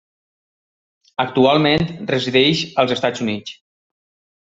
Actualment resideix als Estats Units.